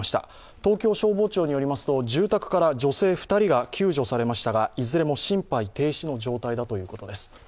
東京消防庁によりますと住宅から女性２人が救助されましたがいずれも心肺停止の状態だということです。